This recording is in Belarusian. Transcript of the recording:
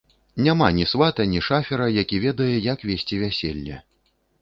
Няма ні свата, ні шафера, які ведае, як весці вяселле.